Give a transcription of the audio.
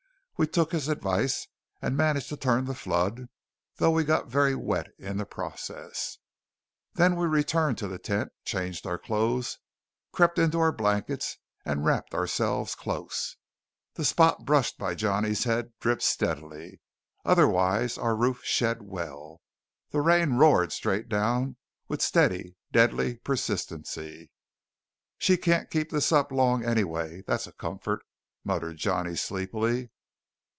We took his advice, and managed to turn the flood, though we got very wet in the process. Then we returned to the tent, changed our clothes, crept into our blankets, and wrapped ourselves close. The spot brushed by Johnny's head dripped steadily. Otherwise our roof shed well. The rain roared straight down with steady, deadly persistency. "She can't keep this up long, anyway; that's a comfort," muttered Johnny sleepily.